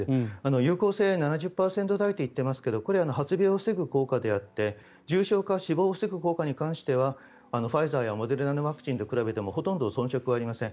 有効性７０％台と言っていますがこれ発病を防ぐ効果であって重症化を防ぐ効果についてはファイザーやモデルナのワクチンと比べてもほとんど遜色はありません。